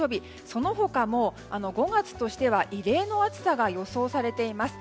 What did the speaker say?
その他も５月としては異例の暑さが予想されています。